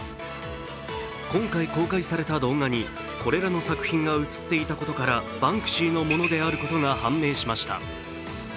今回公開された動画にこれらの作品が映っていたことからバンクシーのものであることが判明しました。